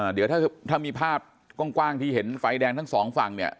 เดี๋ยวถ้ามีภาพกว้างที่เห็นไฟแดงทั้งสองฝั่งเนี่ย